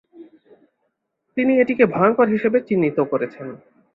তিনি এটিকে ভয়ংকর হিসেবে চিহ্নিত করেছেন।